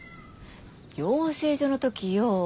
養成所の時よ。